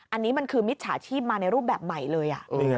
อันนี้มันคือมิจฉาชีพมาในรูปแบบใหม่เลย